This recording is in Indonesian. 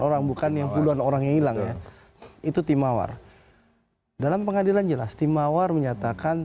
orang bukan yang puluhan orang yang hilang itu timawar dalam pengadilan jelas timawar menyatakan